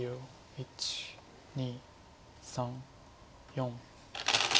１２３４５。